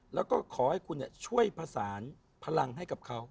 แล้วก็ขอให้คุณช่วยผสานพลังให้กับเขา